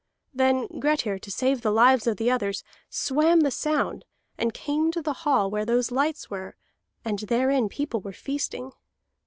Then Grettir, to save the lives of the others, swam the sound, and came to the hall where those lights were, and therein people were feasting.